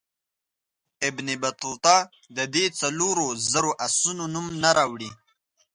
ابن بطوطه د دې څلورو زرو آسونو نوم نه راوړي.